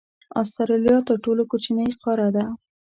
استرالیا تر ټولو کوچنۍ قاره ده.